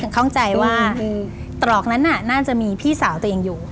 เข้าใจว่าตรอกนั้นน่าจะมีพี่สาวตัวเองอยู่